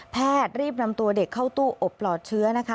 แพทย์รีบนำตัวเด็กเข้าตู้อบปลอดเชื้อนะคะ